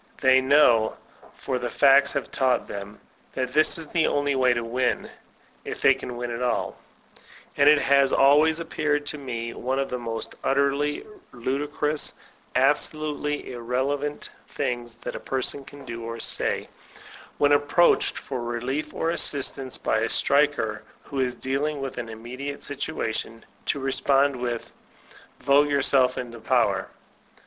They kuom^ DntBCT Action 2137 for the facts have taught them, that this is the only way to win, if they can win at alL And it has always appeared to me one of the most utterly ludicrous, absolutely ir relevant things that a person can do or say, when ap proached for relief or assistance by a striker who is deal ing with an immediate situation, to respond with, "Vote yourself into power!"